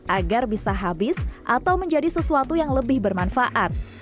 agar bisa habis atau menjadi sesuatu yang lebih bermanfaat